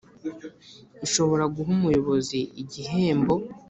ishobora guha umuyobozi igihembo